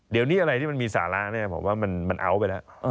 เดี๋ยวนี้อะไรที่มันมีสาระเนี่ยผมว่ามันเอาไปแล้ว